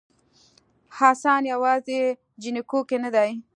حسن یوازې جینکو کې نه دی